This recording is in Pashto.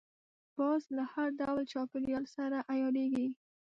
باز له هر ډول چاپېریال سره عیارېږي